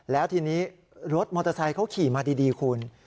แล้วทีนี้รถมอเตอร์ไซค์เขาขี่มาดีคุณ